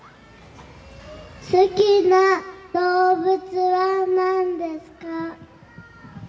好きな動物はなんですか？